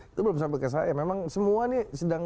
itu belum sampai ke saya memang semua ini sedang